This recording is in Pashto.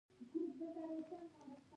د دوو ښځو اولاده باید په یوه نظر وکتل سي.